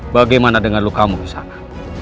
bagaimana dengan lukamu disana